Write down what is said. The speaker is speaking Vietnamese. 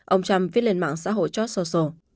ông trump viết lên mạng xã hội cho social